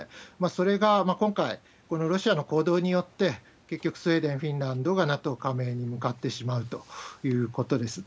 それが今回、ロシアの行動によって、結局スウェーデン、フィンランドがＮＡＴＯ加盟に向かってしまうということですね。